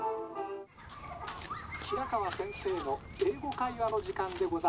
「平川先生の『英語会話』の時間でございます」。